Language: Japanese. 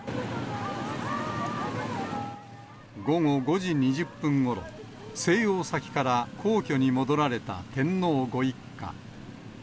午後５時２０分ごろ、静養先から皇居に戻られた天皇ご一家。